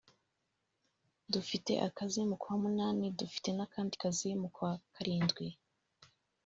dufite akazi mu kwa munani dufite n’akandi kazi mu kwa karindwi